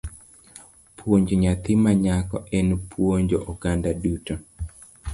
Puonjo nyathi ma nyako en puonjo oganda duto.